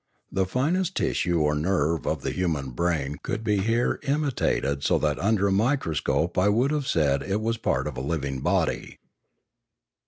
The finest tissue or nerve of the human brain could be here imitated so that under a microscope I would have said it was part of a living body.